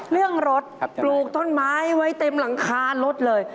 เรื่องรถปลูกต้นไม้ไว้เต็มหลังคารถเลย